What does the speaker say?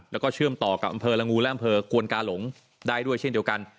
แล้วก็เชื่อมต่อกับอำเภอละงูและอำเภอกวนกาหลงได้ด้วยเช่นเดียวกัน